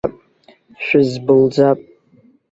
Шәызбылӡап!